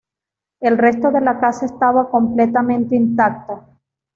El resto de la casa estaba completamente intacta""".